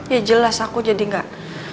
ya jelas aku jadi enggak